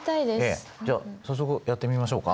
じゃあ早速やってみましょうか。